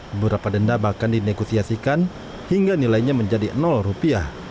beberapa denda bahkan dinegosiasikan hingga nilainya menjadi rupiah